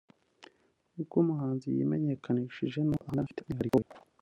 uko umuhanzi yimenyekanisha n’uko ahanga afite umwihariko we